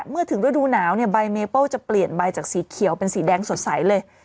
เมื่อถึงฤดูหนาวเนี่ยใบเมเปิ้ลจะเปลี่ยนใบจากสีเขียวเป็นสีแดงสดใสเลย